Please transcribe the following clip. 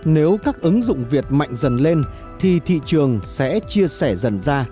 nếu các ứng dụng việt mạnh dần lên thì thị trường sẽ chia sẻ dần ra